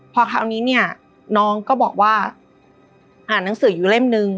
พอคราวนี้เนี่ยน้องก็บอกว่าอ่านหนังสืออยู่เล่มนึง